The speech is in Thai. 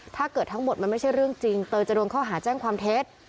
ถ้าเกิดทั้งหมดมันไม่ใช่เรื่องจริงเตยจะโดนข้อหาแจ้งความเท็จ